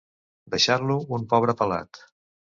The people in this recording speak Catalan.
Deixar-lo un pobre pelat.